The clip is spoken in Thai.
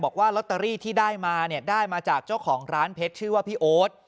บอกว่าลอตเตอรี่ที่ได้มาเนี่ยได้มาจากเจ้าของร้านเพชรชื่อว่าพี่โอ๊ต